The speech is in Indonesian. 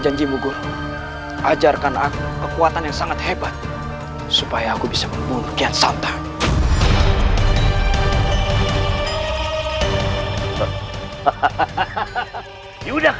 janji mugul ajarkan aku kekuatan yang sangat hebat supaya aku bisa membuatnya santai hahaha